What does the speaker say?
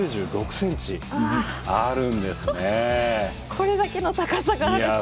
これだけの高さがあると。